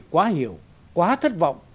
quá hiểu quá thất vọng